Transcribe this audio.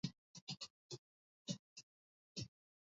Wakristo walikuwa raia wema Katika karne ya tatu mateso yalikuwa makali